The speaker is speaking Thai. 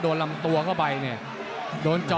โอ้โหโอ้โหโอ้โห